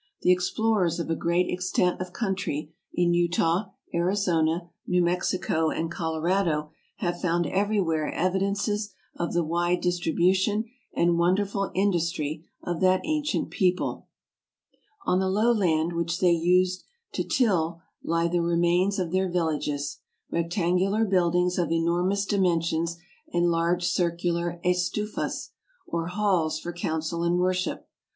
The explorers of a great extent of country in Utah, Arizona, New Mexico, and Colorado have found everywhere evidences of the wide distribution and wonderful industry of that ancient people. 53 54 TRAVELERS AND EXPLORERS On the low land which they used to till lie the remains of their villages — rectangular buildings of enormous dimen sions and large circular estufas, or halls for council and worship.